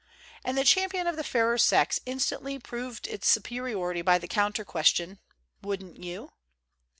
And the champion of the fair sex instantly proved its superiority by the counter question, "Wouldn't you?"